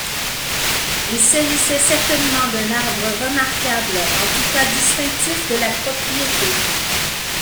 Il s'agissait certainement d'un arbre remarquable, en tout cas distinctif de la propriété.